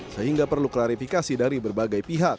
sehingga perlu klarifikasi dari berbagai pihak